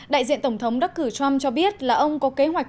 đại diện tổng thống đắc cử trump cho biết là ông có kế hoạch